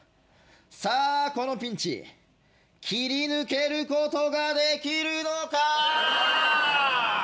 さあこのピンチ切り抜けることができるのか！？